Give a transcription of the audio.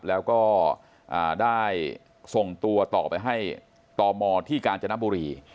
แล้วก็ได้ส่งตัวต่อไปให้ตมที่กาญจนบุรี